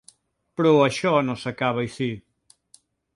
Però això no s’acaba ací.